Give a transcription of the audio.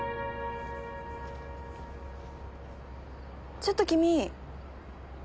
ちょっと君。